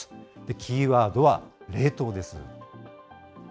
キーワードは冷凍です。